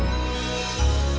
masih ada yang nunggu